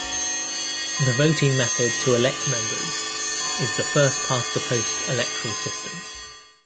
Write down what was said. The voting method to elect members is the First Past the Post electoral system.